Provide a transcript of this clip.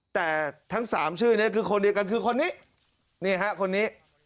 แต่ทั้ง๓ชื่อนี้คือคนเดียวกันคือคนนี้